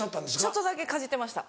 ちょっとだけかじってました。